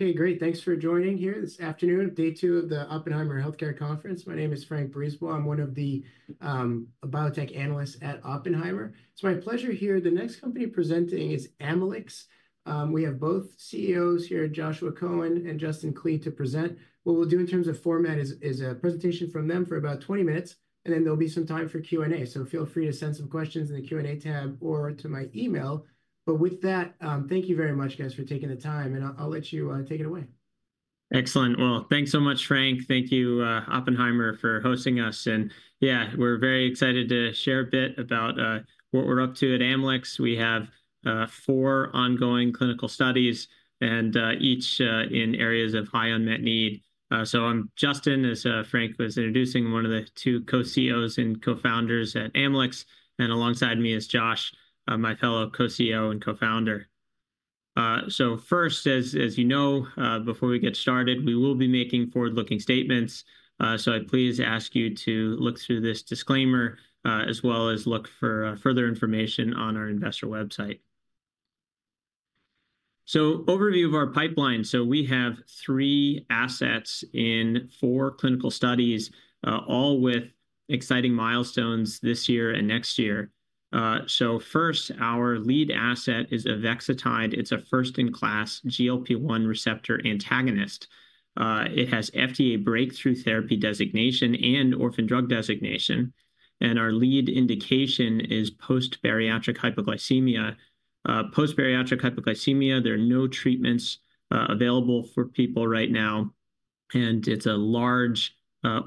Okay, great. Thanks for joining here this afternoon at day two of the Oppenheimer Healthcare Conference. My name is Frank Brisebois. I'm one of the biotech analysts at Oppenheimer. It's my pleasure here. The next company presenting is Amylyx. We have both CEOs here, Joshua Cohen and Justin Klee, to present. What we'll do in terms of format is a presentation from them for about 20 minutes, and then there'll be some time for Q&A. So feel free to send some questions in the Q&A tab or to my email. But with that, thank you very much, guys, for taking the time, and I'll let you take it away. Excellent. Thanks so much, Frank. Thank you, Oppenheimer, for hosting us. And yeah, we're very excited to share a bit about what we're up to at Amylyx. We have four ongoing clinical studies, and each in areas of high unmet need. I'm Justin, as Frank was introducing, one of the two Co-CEOs and Co-founders at Amylyx. And alongside me is Josh, my fellow Co-CEO and Co-founder. First, as you know, before we get started, we will be making forward-looking statements. I'd please ask you to look through this disclaimer, as well as look for further information on our investor website. Overview of our pipeline. We have three assets in four clinical studies, all with exciting milestones this year and next year. First, our lead asset is avexitide. It's a first-in-class GLP-1 receptor antagonist. It has FDA Breakthrough Therapy designation and orphan drug designation. Our lead indication is post-bariatric hypoglycemia. Post-bariatric hypoglycemia, there are no treatments available for people right now. It's a large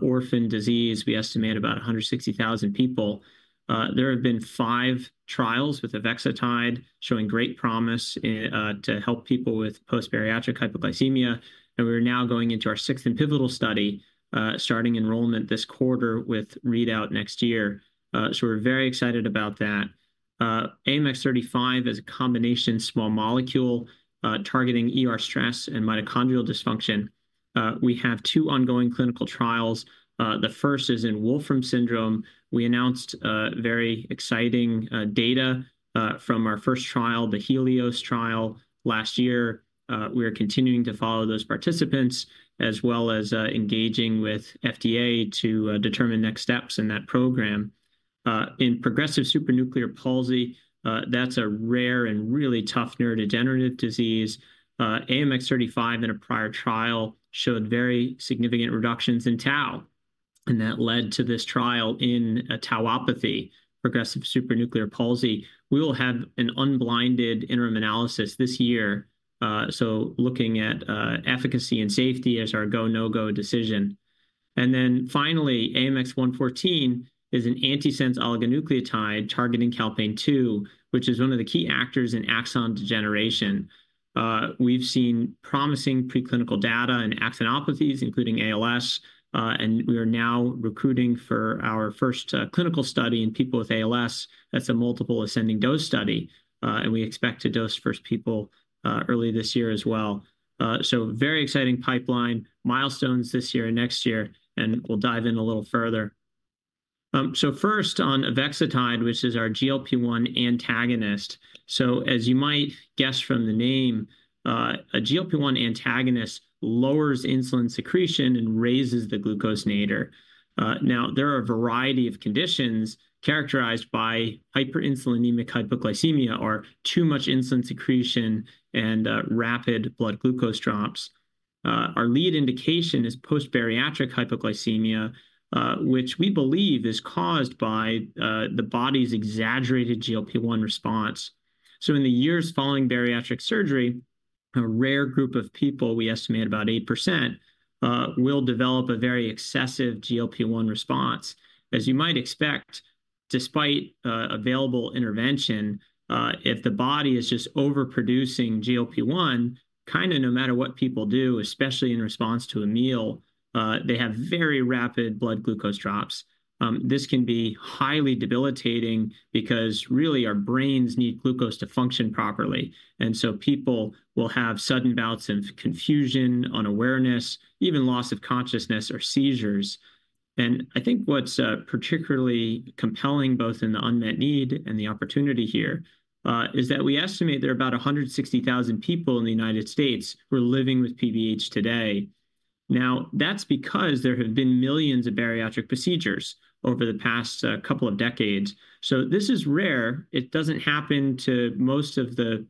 orphan disease. We estimate about 160,000 people. There have been five trials with avexitide showing great promise to help people with post-bariatric hypoglycemia. We're now going into our sixth and pivotal study, starting enrollment this quarter with readout next year. We're very excited about that. AMX0035 is a combination small molecule targeting ER stress and mitochondrial dysfunction. We have two ongoing clinical trials. The first is in Wolfram syndrome. We announced very exciting data from our first trial, the HELIOS trial, last year. We are continuing to follow those participants, as well as engaging with FDA to determine next steps in that program. In progressive supranuclear palsy, that's a rare and really tough neurodegenerative disease. AMX0035 in a prior trial showed very significant reductions in tau, and that led to this trial in tauopathy, progressive supranuclear palsy. We will have an unblinded interim analysis this year. So looking at efficacy and safety as our go/no-go decision. And then finally, AMX0114 is an antisense oligonucleotide targeting calpain-2, which is one of the key actors in axon degeneration. We've seen promising preclinical data in axonopathies, including ALS. And we are now recruiting for our first clinical study in people with ALS. That's a multiple-ascending-dose study. And we expect to dose first people early this year as well. So very exciting pipeline, milestones this year and next year. And we'll dive in a little further. So first on avexitide, which is our GLP-1 antagonist. As you might guess from the name, a GLP-1 antagonist lowers insulin secretion and raises the glucose nadir. Now, there are a variety of conditions characterized by hyperinsulinemic hypoglycemia or too much insulin secretion and rapid blood glucose drops. Our lead indication is post-bariatric hypoglycemia, which we believe is caused by the body's exaggerated GLP-1 response. In the years following bariatric surgery, a rare group of people, we estimate about 8%, will develop a very excessive GLP-1 response. As you might expect, despite available intervention, if the body is just overproducing GLP-1, kind of no matter what people do, especially in response to a meal, they have very rapid blood glucose drops. This can be highly debilitating because really our brains need glucose to function properly. People will have sudden bouts of confusion, unawareness, even loss of consciousness or seizures. I think what's particularly compelling, both in the unmet need and the opportunity here, is that we estimate there are about 160,000 people in the United States who are living with PBH today. Now, that's because there have been millions of bariatric procedures over the past couple of decades. This is rare. It doesn't happen to most of the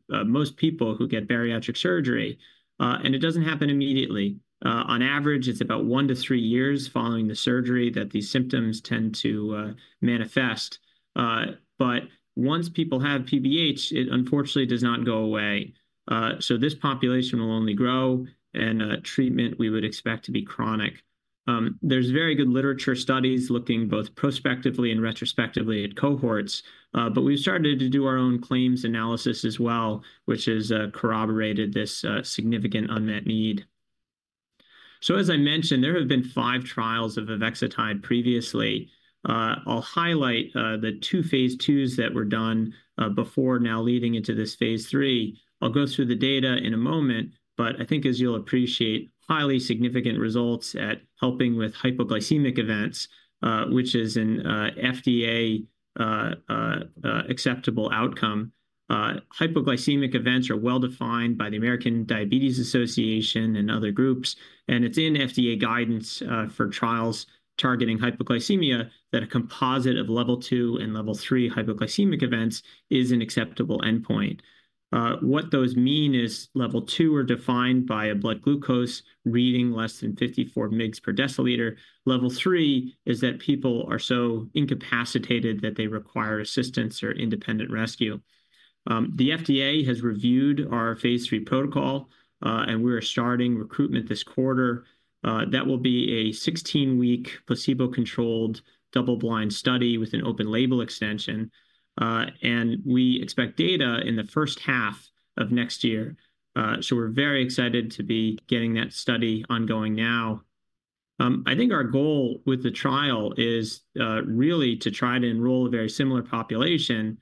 people who get bariatric surgery. It doesn't happen immediately. On average, it's about one-three years following the surgery that these symptoms tend to manifest. Once people have PBH, it unfortunately does not go away. This population will only grow, and treatment, we would expect to be chronic. There's very good literature studies looking both prospectively and retrospectively at cohorts. We've started to do our own claims analysis as well, which has corroborated this significant unmet need. So as I mentioned, there have been five trials of avexitide previously. I'll highlight the two phase IIs that were done before now leading into this phase III. I'll go through the data in a moment, but I think as you'll appreciate, highly significant results at helping with hypoglycemic events, which is an FDA acceptable outcome. Hypoglycemic events are well defined by the American Diabetes Association and other groups, and it's in FDA guidance for trials targeting hypoglycemia that a composite of level two and level three hypoglycemic events is an acceptable endpoint. What those mean is level two are defined by a blood glucose reading less than 54 mg/dL. Level three is that people are so incapacitated that they require assistance or independent rescue. The FDA has reviewed our phase III protocol, and we're starting recruitment this quarter. That will be a 16-week placebo-controlled double-blind study with an open-label extension. And we expect data in the first half of next year. So we're very excited to be getting that study ongoing now. I think our goal with the trial is really to try to enroll a very similar population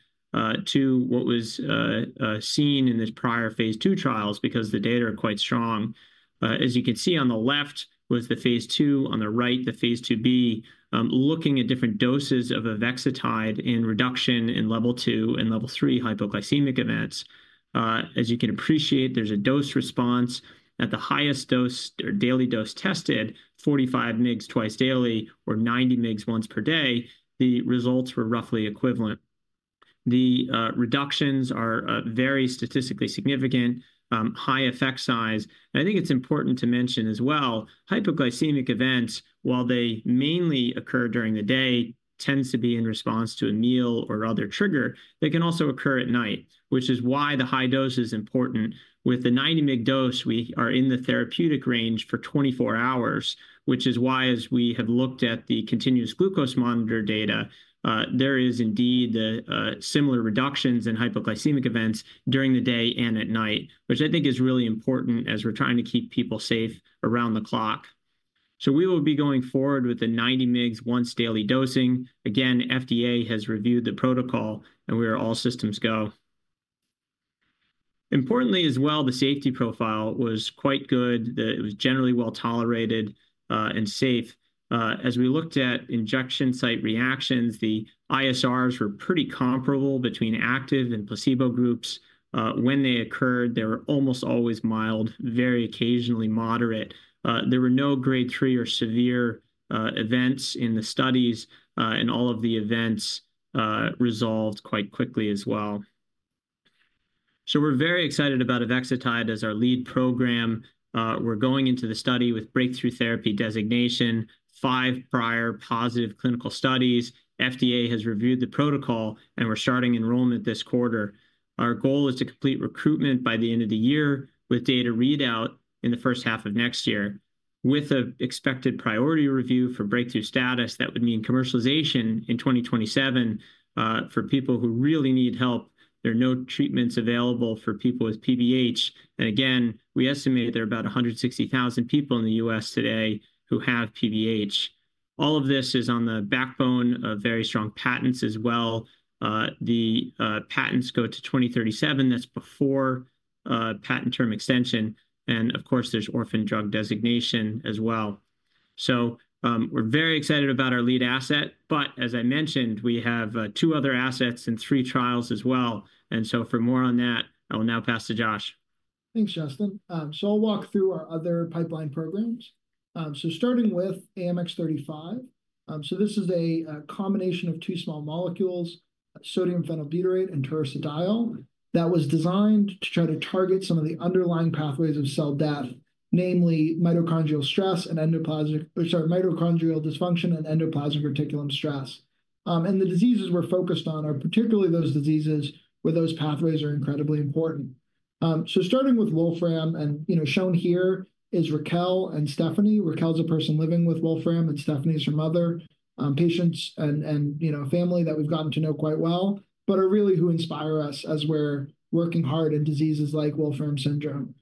to what was seen in the prior phase II trials because the data are quite strong. As you can see on the left was the phase II, on the right the phase II-B, looking at different doses of avexitide in reduction in level two and level three hypoglycemic events. As you can appreciate, there's a dose response. At the highest dose or daily dose tested, 45 mg twice daily or 90 mg once per day, the results were roughly equivalent. The reductions are very statistically significant, high effect size. I think it's important to mention as well, hypoglycemic events, while they mainly occur during the day, tend to be in response to a meal or other trigger. They can also occur at night, which is why the high dose is important. With the 90 mg dose, we are in the therapeutic range for 24 hours, which is why, as we have looked at the continuous glucose monitor data, there is indeed similar reductions in hypoglycemic events during the day and at night, which I think is really important as we're trying to keep people safe around the clock. We will be going forward with the 90 mg once daily dosing. Again, FDA has reviewed the protocol, and we are all systems go. Importantly as well, the safety profile was quite good. It was generally well tolerated and safe. As we looked at injection site reactions, the ISRs were pretty comparable between active and placebo groups. When they occurred, they were almost always mild, very occasionally moderate. There were no grade three or severe events in the studies, and all of the events resolved quite quickly as well. So we're very excited about avexitide as our lead program. We're going into the study with Breakthrough Therapy designation, five prior positive clinical studies. FDA has reviewed the protocol, and we're starting enrollment this quarter. Our goal is to complete recruitment by the end of the year with data readout in the first half of next year. With an expected priority review for breakthrough status, that would mean commercialization in 2027 for people who really need help. There are no treatments available for people with PBH. And again, we estimate there are about 160,000 people in the U.S. today who have PBH. All of this is on the backbone of very strong patents as well. The patents go to 2037. That's before patent term extension. And of course, there's orphan drug designation as well. So we're very excited about our lead asset. But as I mentioned, we have two other assets and three trials as well. And so for more on that, I will now pass to Josh. Thanks, Justin. I'll walk through our other pipeline programs. Starting with AMX0035, this is a combination of two small molecules, sodium phenylbutyrate and taurursodiol, that was designed to try to target some of the underlying pathways of cell death, namely mitochondrial stress and mitochondrial dysfunction and endoplasmic reticulum stress. The diseases we're focused on are particularly those diseases where those pathways are incredibly important. Starting with Wolfram, and shown here is Raquel and Stephanie. Raquel's a person living with Wolfram, and Stephanie's her mother, patients and family that we've gotten to know quite well, but are really who inspire us as we're working hard in diseases like Wolfram syndrome.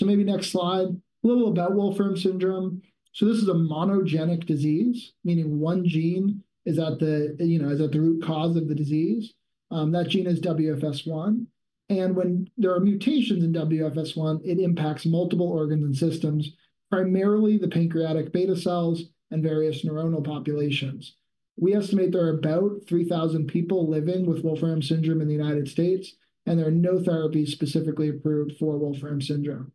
Maybe next slide, a little about Wolfram syndrome. This is a monogenic disease, meaning one gene is at the root cause of the disease. That gene is WFS1. And when there are mutations in WFS1, it impacts multiple organs and systems, primarily the pancreatic beta cells and various neuronal populations. We estimate there are about 3,000 people living with Wolfram syndrome in the United States, and there are no therapies specifically approved for Wolfram syndrome.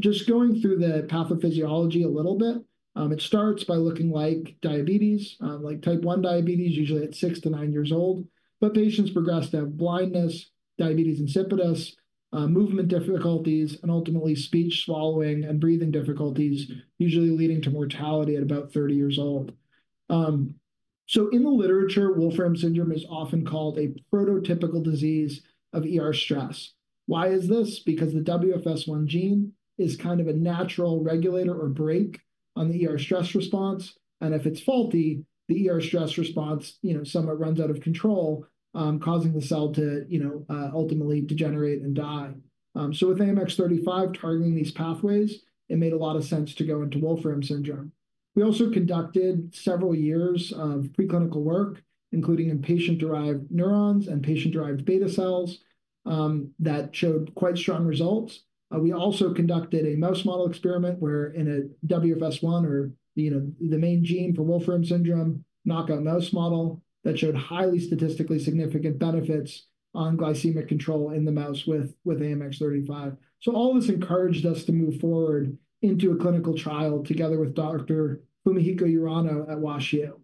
Just going through the pathophysiology a little bit. It starts by looking like diabetes, like type 1 diabetes, usually at six to nine years old. But patients progress to have blindness, diabetes insipidus, movement difficulties, and ultimately speech, swallowing, and breathing difficulties, usually leading to mortality at about 30 years old. So in the literature, Wolfram syndrome is often called a prototypical disease of ER stress. Why is this? Because the WFS1 gene is kind of a natural regulator or brake on the ER stress response. And if it's faulty, the ER stress response somehow runs out of control, causing the cell to ultimately degenerate and die. So with AMX0035 targeting these pathways, it made a lot of sense to go into Wolfram syndrome. We also conducted several years of preclinical work, including in patient-derived neurons and patient-derived beta cells, that showed quite strong results. We also conducted a mouse model experiment where, in a WFS1, or the main gene for Wolfram syndrome, knockout mouse model, that showed highly statistically significant benefits on glycemic control in the mouse with AMX0035. So all this encouraged us to move forward into a clinical trial together with Dr. Fumihiko Urano at WashU.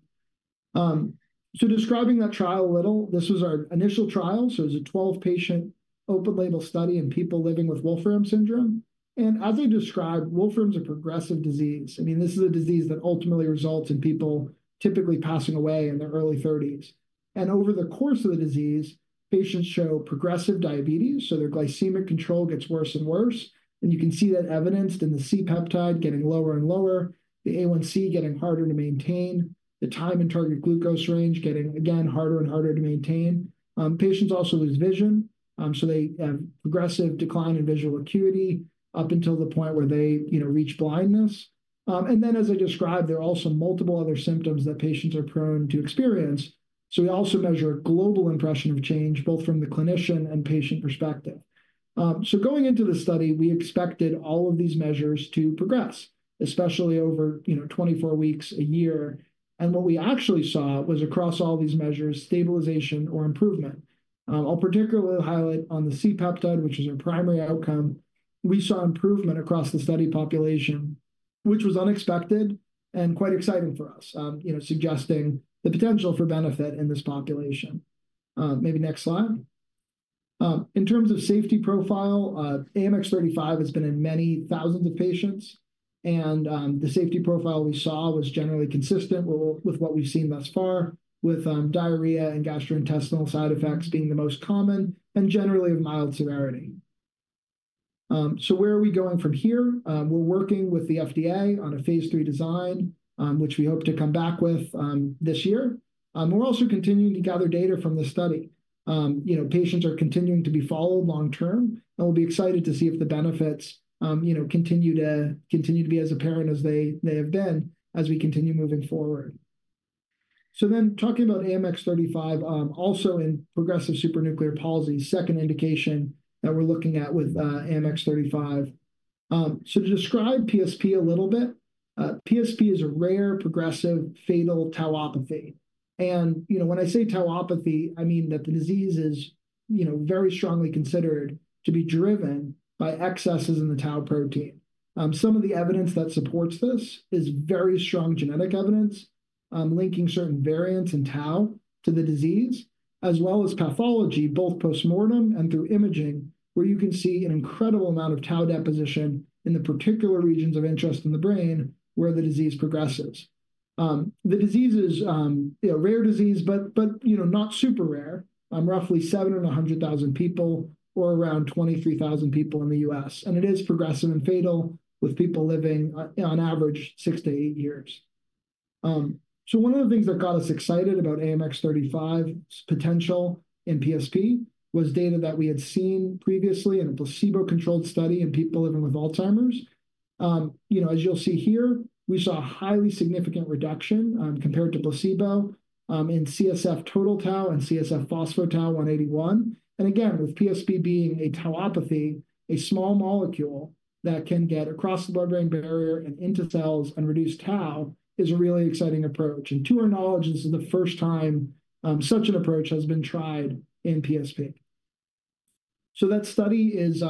So describing that trial a little. This was our initial trial. So it was a 12-patient open-label study in people living with Wolfram syndrome. And as I described, Wolfram's a progressive disease. I mean, this is a disease that ultimately results in people typically passing away in their early 30s. And over the course of the disease, patients show progressive diabetes, so their glycemic control gets worse and worse. And you can see that evidenced in the C-peptide getting lower and lower, the A1C getting harder to maintain, the time in target glucose range getting again harder and harder to maintain. Patients also lose vision, so they have progressive decline in visual acuity up until the point where they reach blindness. And then, as I described, there are also multiple other symptoms that patients are prone to experience, so we also measure a global impression of change both from the clinician and patient perspective. So going into the study, we expected all of these measures to progress, especially over 24 weeks, a year. What we actually saw was, across all these measures, stabilization or improvement. I'll particularly highlight on the C-peptide, which is our primary outcome. We saw improvement across the study population, which was unexpected and quite exciting for us, suggesting the potential for benefit in this population. Maybe next slide. In terms of safety profile, AMX0035 has been in many thousands of patients. The safety profile we saw was generally consistent with what we've seen thus far, with diarrhea and gastrointestinal side effects being the most common and generally of mild severity. Where are we going from here? We're working with the FDA on a phase III design, which we hope to come back with this year. We're also continuing to gather data from the study. Patients are continuing to be followed long term. We'll be excited to see if the benefits continue to be as apparent as they have been as we continue moving forward. So then talking about AMX0035, also in progressive supranuclear palsy, second indication that we're looking at with AMX0035. So to describe PSP a little bit, PSP is a rare progressive fatal tauopathy. And when I say tauopathy, I mean that the disease is very strongly considered to be driven by excesses in the tau protein. Some of the evidence that supports this is very strong genetic evidence linking certain variants in tau to the disease, as well as pathology, both postmortem and through imaging, where you can see an incredible amount of tau deposition in the particular regions of interest in the brain where the disease progresses. The disease is a rare disease but not super rare, roughly seven in 100,000 people or around 23,000 people in the U.S. It is progressive and fatal, with people living on average six-eight years. One of the things that got us excited about AMX0035's potential in PSP was data that we had seen previously in a placebo-controlled study in people living with Alzheimer's. As you'll see here, we saw a highly significant reduction, compared to placebo, in CSF total tau and CSF phospho-tau 181. With PSP being a tauopathy, a small molecule that can get across the blood-brain barrier and into cells and reduce tau is a really exciting approach. To our knowledge, this is the first time such an approach has been tried in PSP. That study is.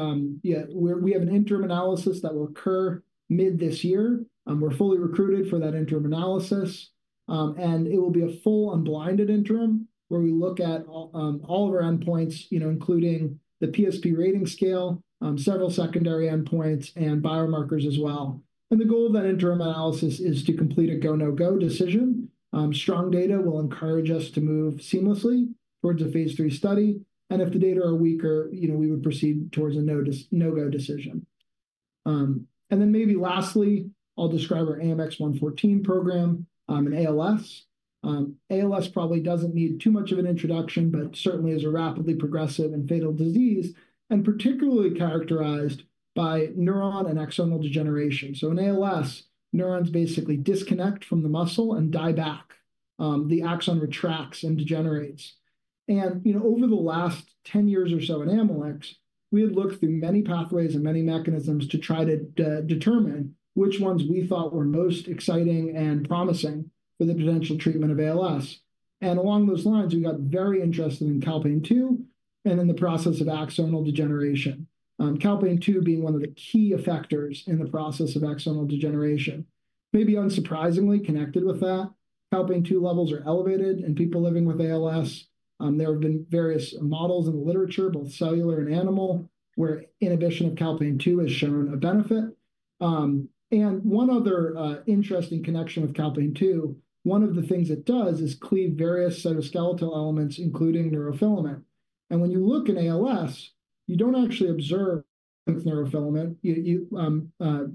Yeah, we have an interim analysis that will occur mid this year. We're fully recruited for that interim analysis. It will be a full unblinded interim where we look at all of our endpoints, including the PSP rating scale, several secondary endpoints, and biomarkers as well. The goal of that interim analysis is to complete a go/no-go decision. Strong data will encourage us to move seamlessly towards a phase III study. If the data are weaker, we would proceed towards a no-go decision. Then maybe lastly, I'll describe our AMX0114 program in ALS. ALS probably doesn't need too much of an introduction but certainly is a rapidly progressive and fatal disease and particularly characterized by neuronal and axonal degeneration. In ALS, neurons basically disconnect from the muscle and die back. The axon retracts and degenerates. And over the last 10 years or so in Amylyx, we had looked through many pathways and many mechanisms to try to determine which ones we thought were most exciting and promising for the potential treatment of ALS. And along those lines, we got very interested in calpain-2 and in the process of axonal degeneration, calpain-2 being one of the key effectors in the process of axonal degeneration. Maybe unsurprisingly connected with that, calpain-2 levels are elevated in people living with ALS. There have been various models in the literature, both cellular and animal, where inhibition of calpain-2 has shown a benefit. And one other interesting connection with calpain-2, one of the things it does is cleave various cytoskeletal elements, including neurofilament. And when you look in ALS, you don't actually observe neurofilament.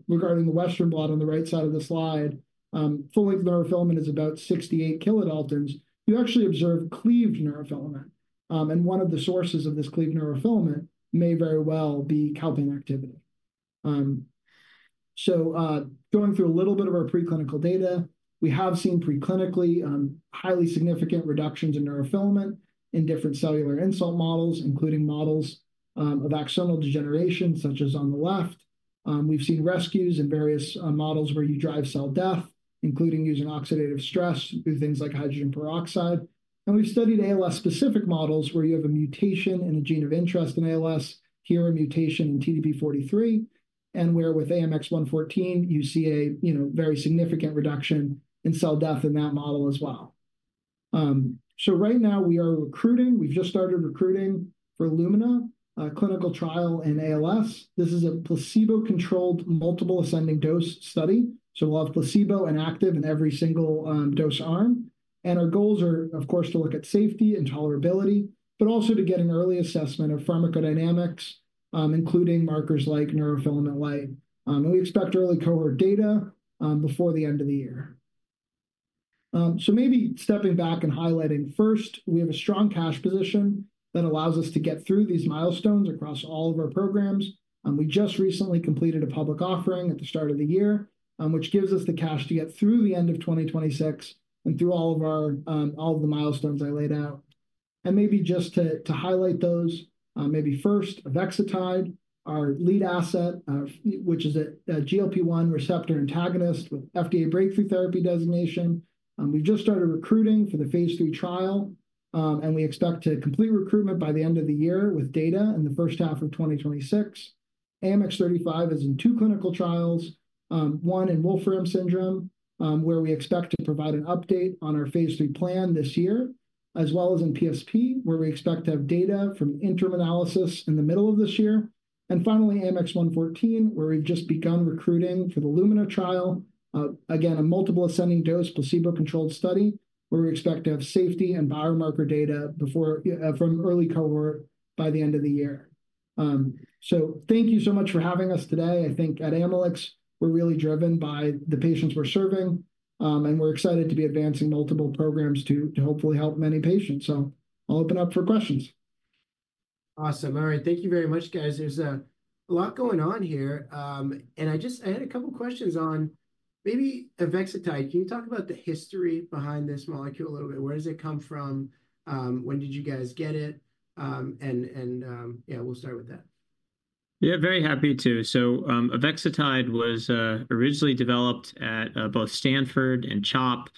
Regarding the Western blot on the right side of the slide, full-length neurofilament is about 68 kilodaltons. You actually observe cleaved neurofilament. And one of the sources of this cleaved neurofilament may very well be calpain activity. So going through a little bit of our preclinical data. We have seen preclinically highly significant reductions in neurofilament in different cellular insult models, including models of axonal degeneration, such as on the left. We've seen rescues in various models where you drive cell death, including using oxidative stress through things like hydrogen peroxide. And we've studied ALS-specific models where you have a mutation in a gene of interest in ALS, here a mutation in TDP-43, and where with AMX0114 you see a very significant reduction in cell death in that model as well. So right now, we are recruiting. We've just started recruiting for LUMINA, our clinical trial in ALS. This is a placebo-controlled multiple-ascending-dose study. So we'll have placebo and active in every single dose arm. And our goals are, of course, to look at safety and tolerability, but also to get an early assessment of pharmacodynamics, including markers like neurofilament light. And we expect early cohort data before the end of the year. So maybe stepping back and highlighting, first, we have a strong cash position that allows us to get through these milestones across all of our programs. We just recently completed a public offering at the start of the year, which gives us the cash to get through the end of 2026 and through all of the milestones I laid out. And maybe just to highlight those. Maybe first, avexitide, our lead asset which is a GLP-1 receptor antagonist with FDA Breakthrough Therapy designation. We've just started recruiting for the phase III trial. We expect to complete recruitment by the end of the year, with data in the first half of 2026. AMX0035 is in two clinical trials, one in Wolfram syndrome, where we expect to provide an update on our phase III plan this year, as well as in PSP, where we expect to have data from interim analysis in the middle of this year. And finally, AMX0114, where we've just begun recruiting for the LUMINA trial, again a multiple-ascending-dose placebo-controlled study where we expect to have safety and biomarker data from early cohort by the end of the year. So thank you so much for having us today. I think at Amylyx we're really driven by the patients we're serving. And we're excited to be advancing multiple programs to, hopefully, help many patients. So I'll open up for questions. Awesome. All right. Thank you very much, guys. There's a lot going on here, and I had a couple of questions on maybe avexitide. Can you talk about the history behind this molecule a little bit? Where does it come from? When did you guys get it? And yeah, we'll start with that. Yeah, very happy to. So avexitide was originally developed at both Stanford and CHOP.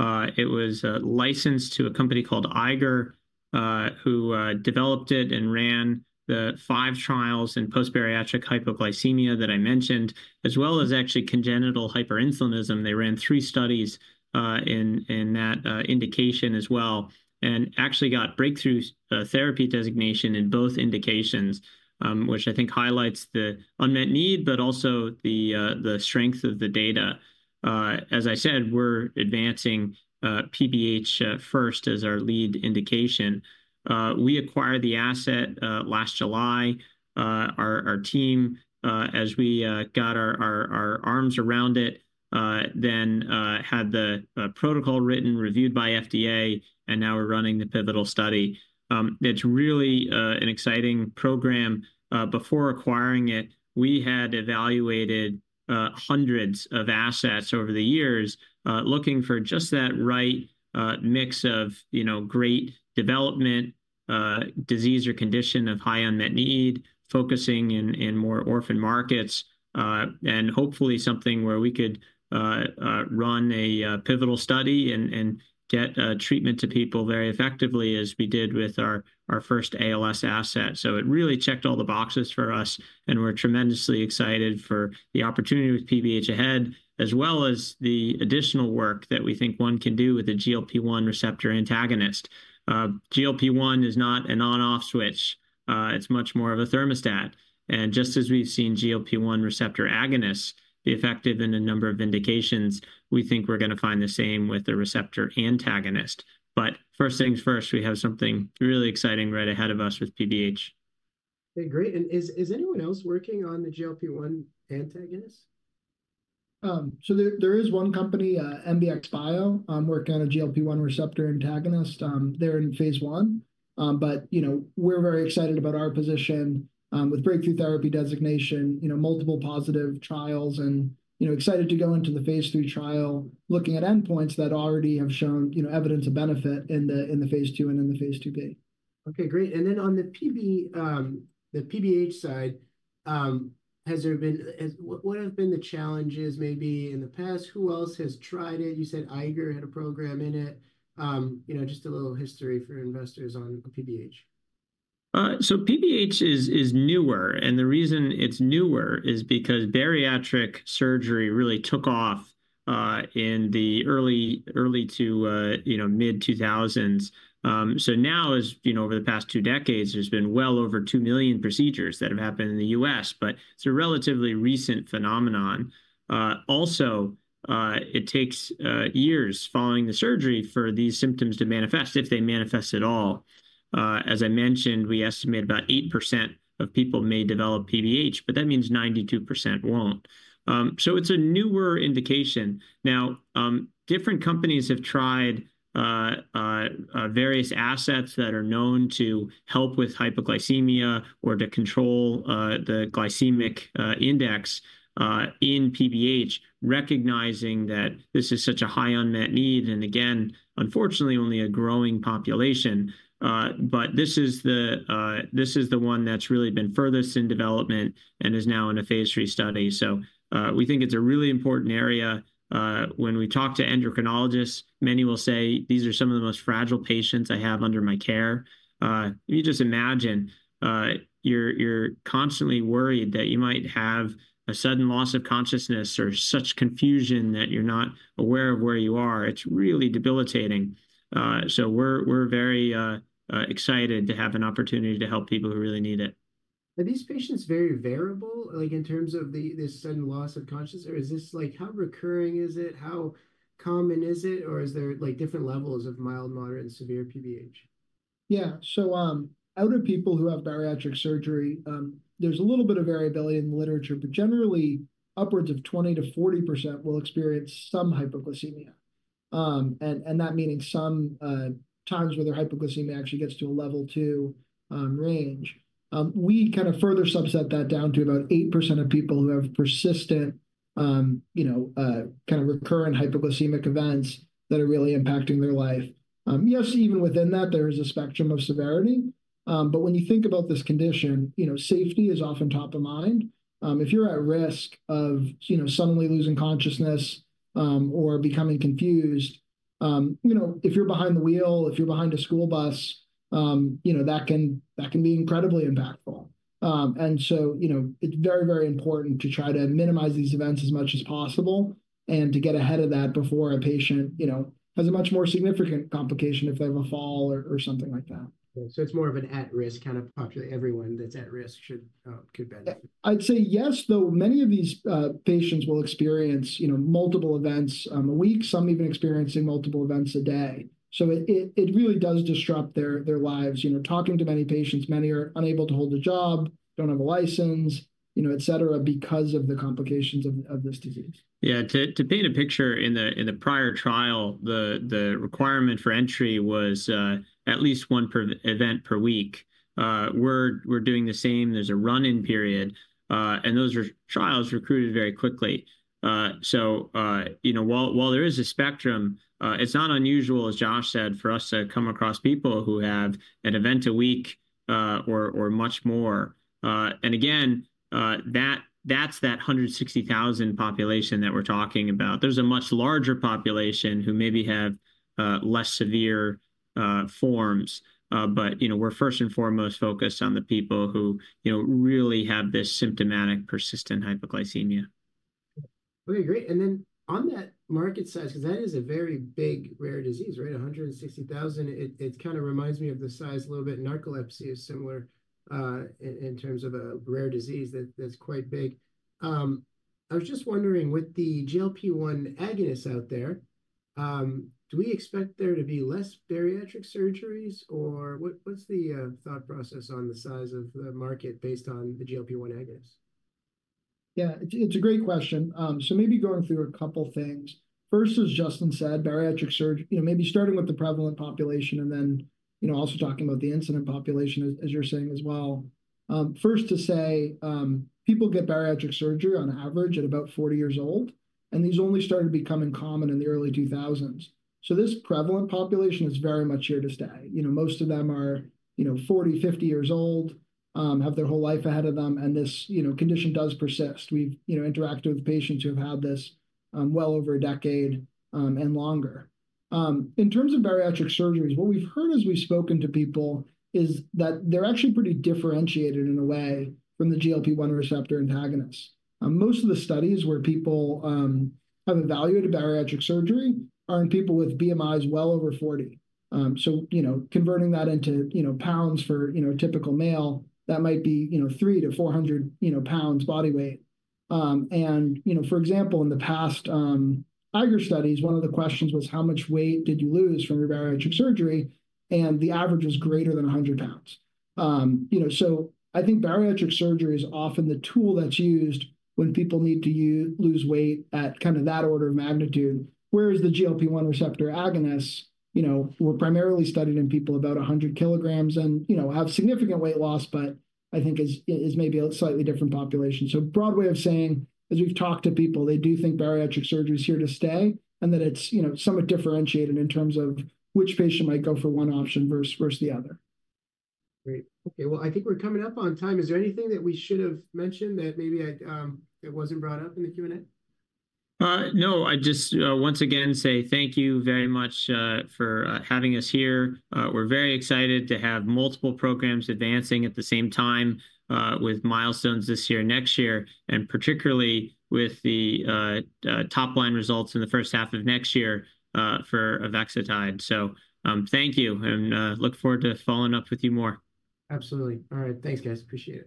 It was licensed to a company called Eiger, who developed it and ran the five trials in post-bariatric hypoglycemia that I mentioned, as well as actually congenital hyperinsulinism. They ran three studies in that indication as well and actually got Breakthrough Therapy designation in both indications, which I think highlights the unmet need but also the strength of the data. As I said, we're advancing PBH first as our lead indication. We acquired the asset last July. Our team, as we got our arms around it, then had the protocol written, reviewed by FDA, and now we're running the pivotal study. It's really an exciting program. Before acquiring it, we had evaluated hundreds of assets over the years looking for just that right mix of great development, disease or condition of high unmet need, focusing in more orphan markets, and hopefully something where we could run a pivotal study and get treatment to people very effectively as we did with our first ALS asset. So it really checked all the boxes for us. And we're tremendously excited for the opportunity with PBH ahead as well as the additional work that we think one can do with a GLP-1 receptor antagonist. GLP-1 is not an on-off switch. It's much more of a thermostat. And just as we've seen GLP-1 receptor agonists be effective in a number of indications, we think we're going to find the same with the receptor antagonist. But first things first, we have something really exciting right ahead of us with PBH. Okay, great. And is anyone else working on a GLP-1 antagonist? So there is one company, MBX Biosciences, working on a GLP-1 receptor antagonist. They're in phase I, but we're very excited about our position with Breakthrough Therapy designation, multiple positive trials, and excited to go into the phase III trial looking at endpoints that already have shown evidence of benefit in the phase II and in the phase II-B. Okay, great. And then on the PBH side, what have been the challenges maybe in the past? Who else has tried it? You said Eiger had a program in it. Just a little history for investors on PBH. So PBH is newer. And the reason it's newer is because bariatric surgery really took off in the early to mid-2000s. So now, over the past two decades, there's been well over 2 million procedures that have happened in the U.S., but it's a relatively recent phenomenon. Also, it takes years following the surgery for these symptoms to manifest, if they manifest at all. As I mentioned, we estimate about 8% of people may develop PBH, but that means 92% won't. So it's a newer indication. Now, different companies have tried various assets that are known to help with hypoglycemia or to control the glycemic index in PBH, recognizing that this is such a high unmet need and again, unfortunately, only a growing population, but this is the one that's really been furthest in development and is now in a phase III study. So we think it's a really important area. When we talk to endocrinologists, many will say, "These are some of the most fragile patients I have under my care." You can just imagine you're constantly worried that you might have a sudden loss of consciousness or such confusion that you're not aware of where you are. It's really debilitating. So we're very excited to have an opportunity to help people who really need it. Are these patients very variable in terms of this sudden loss of consciousness? Or is this like, how recurring is it? How common is it? Or is there different levels of mild, moderate, and severe PBH? Yeah. So out of people who have bariatric surgery, there's a little bit of variability in the literature, but generally, upwards of 20%-40% will experience some hypoglycemia, and that meaning some times where their hypoglycemia actually gets to a level two range. We kind of further subset that down to about 8% of people who have persistent kind of recurrent hypoglycemic events that are really impacting their life. Yes, even within that, there is a spectrum of severity, but when you think about this condition, safety is often top of mind. If you're at risk of suddenly losing consciousness or becoming confused, if you're behind the wheel, if you're behind a school bus, that can be incredibly impactful. And so it's very, very important to try to minimize these events as much as possible and to get ahead of that before a patient has a much more significant complication if they have a fall or something like that. It's more of an at-risk kind of population. Everyone that's at risk could benefit. I'd say yes, though many of these patients will experience multiple events a week, some even experiencing multiple events a day. So it really does disrupt their lives. Talking to many patients, many are unable to hold a job, don't have a license, etc., because of the complications of this disease. Yeah. To paint a picture, in the prior trial, the requirement for entry was at least one event per week. We're doing the same. There's a run-in period. And those trials recruited very quickly, so while there is a spectrum, it's not unusual, as Josh said, for us to come across people who have an event a week or much more. And again, that's that 160,000 population that we're talking about. There's a much larger population who maybe have less-severe forms, but we're first and foremost focused on the people who really have this symptomatic persistent hypoglycemia. Okay, great. And then on that market size, because that is a very big rare disease, right, 160,000. It kind of reminds me of the size a little bit. Narcolepsy is similar in terms of a rare disease that's quite big. I was just wondering, with the GLP-1 agonists out there, do we expect there to be less bariatric surgeries? Or what's the thought process on the size of the market based on the GLP-1 agonists? Yeah, it's a great question. So maybe going through a couple of things. First, as Justin said, bariatric, maybe starting with the prevalent population and then also talking about the incident population as you're saying as well. First to say, people get bariatric surgery, on average, at about 40 years old, and these only started becoming common in the early 2000s, so this prevalent population is very much here to stay. Most of them are 40, 50 years old, have their whole life ahead of them, and this condition does persist. We've interacted with patients who have had this well over a decade and longer. In terms of bariatric surgeries, what we've heard as we've spoken to people is that they're actually pretty differentiated in a way from the GLP-1 receptor antagonists. Most of the studies where people have evaluated bariatric surgery are in people with BMIs well over 40. So converting that into pounds, for a typical male, that might be 300-400 lbs body weight. And for example, in the past Eiger studies, one of the questions was, "How much weight did you lose from your bariatric surgery?" And the average was greater than 100 lbs. So I think bariatric surgery is often the tool that's used when people need to lose weight at kind of that order of magnitude, whereas the GLP-1 receptor agonists were primarily studied in people about 100 kg and have significant weight loss but I think is maybe a slightly different population. So a broad way of saying, as we've talked to people, they do think bariatric surgery is here to stay and that it's somewhat differentiated in terms of which patient might go for one option versus the other. Great. Okay. I think we're coming up on time. Is there anything that we should have mentioned that maybe wasn't brought up in the Q&A? No, I just once again say thank you very much for having us here. We're very excited to have multiple programs advancing at the same time, with milestones this year and next year, and particularly with the top line results in the first half of next year for avexitide. So thank you and we look forward to following up with you more. Absolutely. All right. Thanks, guys. Appreciate it.